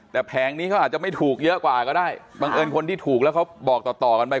แต่แผงนี้เขาอาจจะไม่ถูกเยอะกว่าก็ได้บังเอิญคนที่ถูกแล้วเขาบอกต่อต่อกันไป